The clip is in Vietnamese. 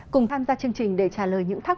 cùng tham gia chương trình để trả lời những thắc